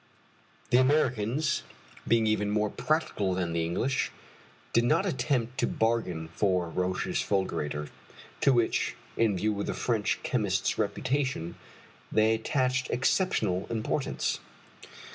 The Americans, being even more practical than the English, did not attempt to bargain for Roch's fulgurator, to which, in view of the French chemist's reputation, they attached exceptional importance.